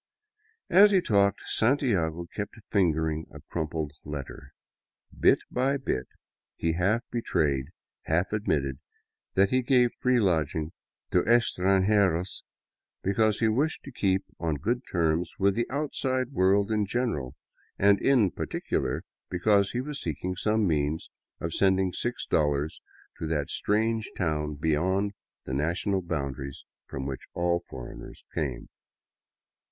As he talked, Santiago kept fingering a crumpled letter. Bit by bit he half betrayed, half admitted, that he gave free lodging to estran jeros because he wished to keep on good terms with the *^ outside " world in general, and in particular because he was seeking some means of sending six dollars to that strange town beyond the national boundaries from which all foreigners came.